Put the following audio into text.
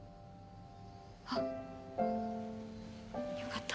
あっよかった。